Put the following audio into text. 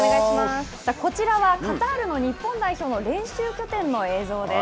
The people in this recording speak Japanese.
こちらはカタールの日本代表の練習拠点の映像です。